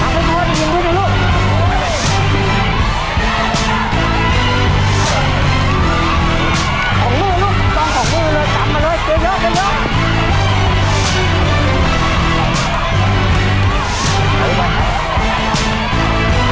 ของลูกลูกต้องของลูกมาเลยจำมาเลยอยู่ที่เยอะอยู่ที่เยอะ